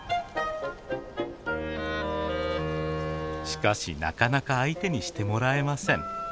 しかしなかなか相手にしてもらえません。